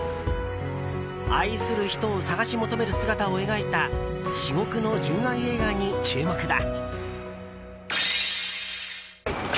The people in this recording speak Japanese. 愛する人を探し求める姿を描いた至極の純愛映画に注目だ。